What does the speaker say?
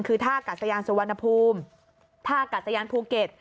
คือท่ากัดสยานสุวรรณภูมิท่ากัดสยานภูเก็ต